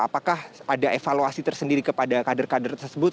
apakah ada evaluasi tersendiri kepada kader kader tersebut